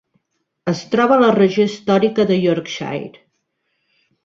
Es troba a la regió històrica de Yorkshire.